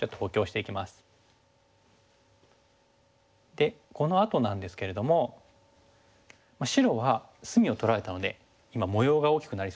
でこのあとなんですけれども白は隅を取られたので今模様が大きくなりそうですよね。